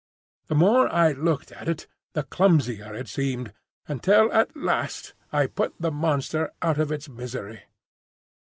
The more I looked at it the clumsier it seemed, until at last I put the monster out of its misery.